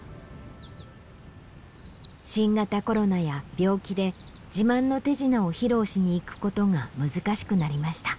新型コロナや病気で自慢の手品を披露しに行くことが難しくなりました。